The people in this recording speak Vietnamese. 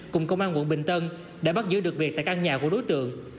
cùng công an quận bình tân đã bắt giữ được việc tại căn nhà của đối tượng